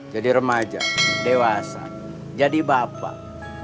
jadi remaja dewasa jadi bapak